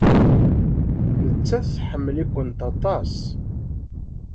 Nettat tḥemmel-ikent aṭas.